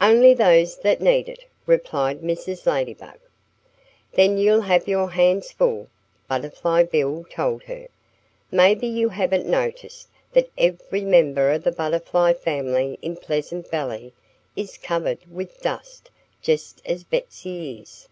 "Only those that need it!" replied Mrs. Ladybug. "Then you'll have your hands full," Butterfly Bill told her. "Maybe you haven't noticed that every member of the Butterfly family in Pleasant Valley is covered with dust just as Betsy is."